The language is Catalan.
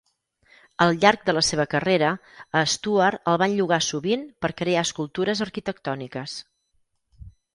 Al llarg de la seva carrera, a Stewart el van llogar sovint per crear escultures arquitectòniques.